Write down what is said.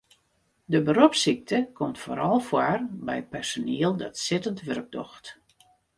De beropssykte komt foaral foar by personiel dat sittend wurk docht.